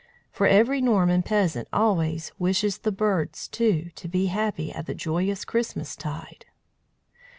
For every Norman peasant always wishes the birds, too, to be happy at the joyous Christmas tide.